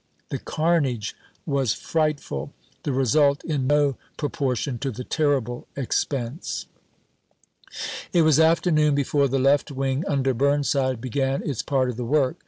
The carnage was frightful, the result in no proportion to the terrible expense. sept.^17, It was afternoon before the left wing, under Burn side, began its part of the work.